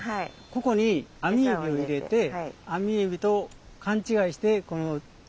ここにアミエビを入れてアミエビと勘違いしてこの。